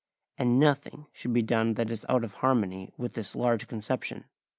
And nothing should be done that is out of harmony with this large conception.